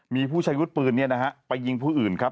มีผู้ใช้ยุทธ์ปืนไปยิงผู้อื่น